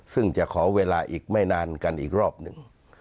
ซึ่งจะขอเวลาอีกไม่นานกันอีกรอบหนึ่ง